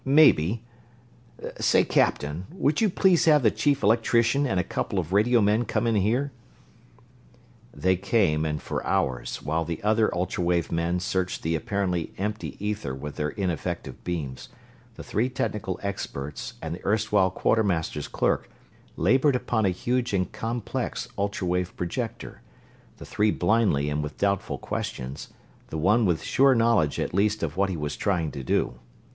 maybe ... say, Captain, will you please have the Chief Electrician and a couple of radio men come in here?" They came, and for hours, while the other ultra wave men searched the apparently empty ether with their ineffective beams, the three technical experts and the erstwhile Quartermaster's clerk labored upon a huge and complex ultra wave projector the three blindly and with doubtful questions; the one with sure knowledge at least of what he was trying to do.